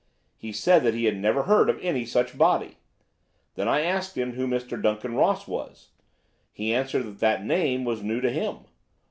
He said that he had never heard of any such body. Then I asked him who Mr. Duncan Ross was. He answered that the name was new to him.